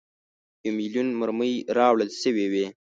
یو میلیون مرمۍ راوړل سوي وې.